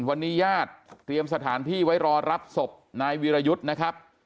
วันนี้ญาติเตรียมสถานที่ไว้รอรับศพนายวีรยุทธ์นะครับ